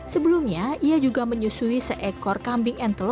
sebelumnya ia juga menyusui seekor kampung